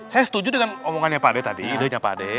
saya setuju dengan omongannya pak adek tadi ide nya pak adek